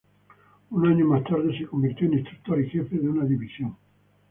Unos años más tarde se convirtió en instructor y jefe de una división.